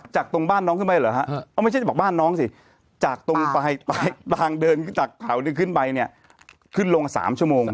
จากตรงบ้านเข้าไปหรอครับไม่ใช่บันน้องสิจากตรงเปล่าอีกไปบางเดินขึ้นไปเนี่ยขึ้นลงสามชั่วโมง